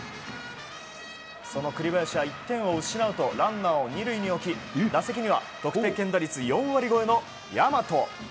その栗林は１点を失うとランナーを２塁に置き打席には得点圏打率４割超えの大和。